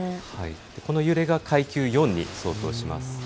この揺れが階級４に相当します。